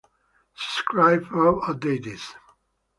Subscribe for Updates